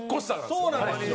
そうなんですよ。